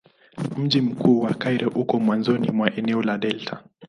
Mji mkuu wa Kairo uko mwanzoni mwa eneo la delta.